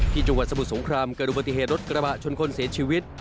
จังหวัดสมุทรสงครามเกิดอุบัติเหตุรถกระบะชนคนเสียชีวิต